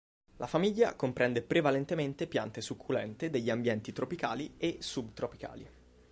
La famiglia comprende prevalentemente piante succulente degli ambienti tropicali e subtropicali.